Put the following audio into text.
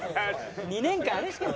２年間あれしか。